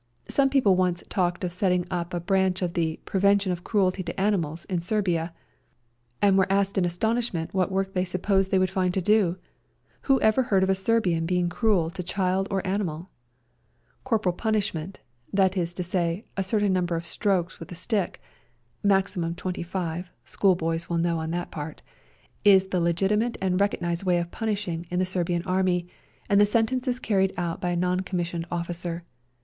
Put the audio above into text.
Some people once talked of setting up a branch of the " Prevention of Cruelty to Animals" in Serbia, and were A SERBIAN AMBULANCE 41 asked in astonishment what work they supposed they would find to do ; who ever heard of a Serbian being cruel to child or animal ? Corporal pimishment, that is to say, a certain number of strokes with a stick (maximum 25 — schoolboys will know on what part), is the legitimate and recog nised way of punishing in the Serbian Army, and the sentence is carried out by a non commissioned officer.